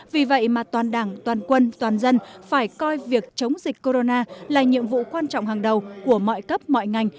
vì vậy mà toàn đảng toàn quân toàn dân phải coi việc chống dịch corona là nhiệm vụ quan trọng hàng đầu của mọi cấp mọi ngành